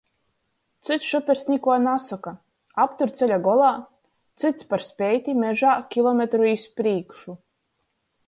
Cyts šopers nikuo nasoka, aptur ceļa golā, cyts par speiti mežā kilometru iz prīšku.